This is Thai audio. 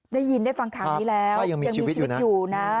ได้ยินได้ฟังข้างนี้แล้วยังมีชีวิตอยู่นะยังมีชีวิตอยู่นะ